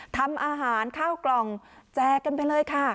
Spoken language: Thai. ทำอาหารข้าวกล่องแจกกันไปเลยค่ะ